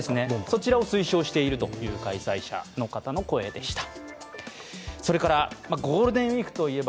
そちらを推奨しているという開催者の方の声でした。